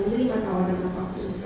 menerima tawaran apapun